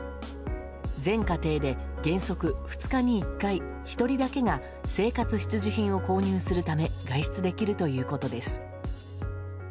全家庭で原則２日に１回１人だけが生活必需品を購入するため外出できるということです。